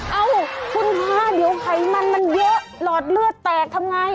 เอ้าคุณคะเดี๋ยวไขมันมันเยอะหลอดเลือดแตกทำไง